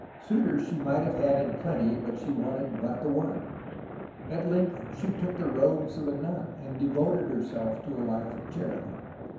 Suitors she might have had in plenty, but she wanted but the one. At length she took the robes of a nun, and devoted herself to a life of charity.